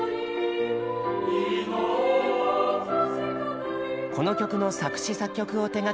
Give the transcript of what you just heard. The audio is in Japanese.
この曲の作詞作曲を手がけたのは。